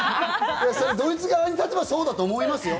ドイツ側に立てばそうだと思いますよ。